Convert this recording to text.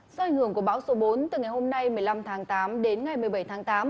do ảnh hưởng của bão số bốn từ ngày hôm nay một mươi năm tháng tám đến ngày một mươi bảy tháng tám